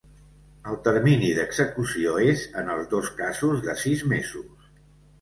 El termini d’execució és en els dos casos de sis mesos.